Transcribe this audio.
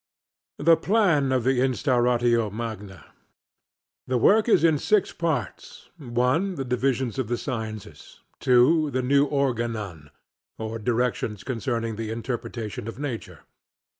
THE PLAN OF THE INSTAURATIO MAGNA The work is in six Parts: 1. The Divisions of the Sciences. 2. The New Organon; or Directions concerning the Interpretation of Nature.